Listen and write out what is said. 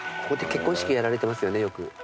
ここで結婚式やられてますよねよく。